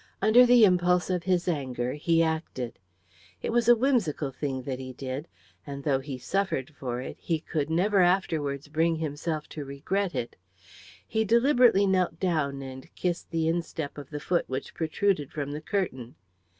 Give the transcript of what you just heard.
Under the impulse of his anger he acted. It was a whimsical thing that he did, and though he suffered for it he could never afterwards bring himself to regret it. He deliberately knelt down and kissed the instep of the foot which protruded from the curtain.